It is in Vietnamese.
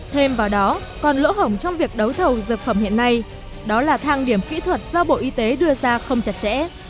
thêm vào đó còn lỗ hổng trong việc đấu thầu dược phẩm hiện nay đó là thang điểm kỹ thuật do bộ y tế đưa ra không chặt chẽ